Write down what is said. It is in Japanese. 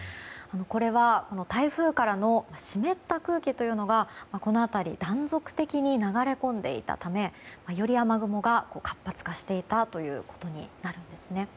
これは、台風からの湿った空気がこの辺り断続的に流れ込んでいたためより雨雲が活発化していたということになるんですね。